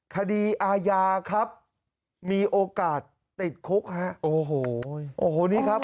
คดีอาญาครับมีโอกาสติดคุกฮะโอ้โหโอ้โหนี่ครับ